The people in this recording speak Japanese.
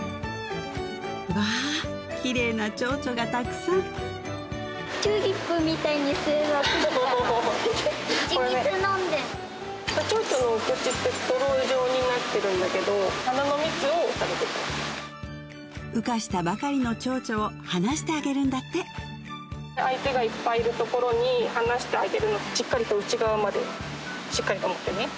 わあきれいな蝶々がたくさん蝶々のお口ってストロー状になってるんだけど花の蜜を食べてる羽化したばかりの蝶々をはなしてあげるんだって相手がいっぱいいるところにはなしてあげるのしっかりと内側までしっかりと持ってね